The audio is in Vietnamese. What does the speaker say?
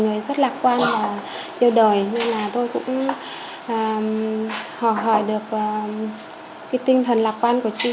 người rất lạc quan và yêu đời nên là tôi cũng hỏi được cái tinh thần lạc quan của chị